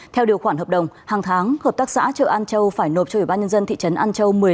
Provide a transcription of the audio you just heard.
theo điều khoản hợp đồng hàng tháng hợp tác xã chợ an châu phải nộp cho ủy ban nhân dân thị trấn an châu